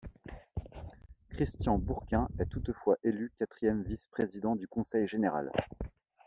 Christian Bourquin est toutefois élu quatrième vice-président du conseil général.